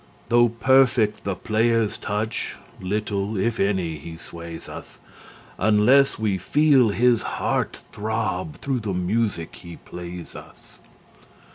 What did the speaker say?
Though perfect the player's touch, little, if any, he sways us, Unless we feel his heart throb through the music he plays us.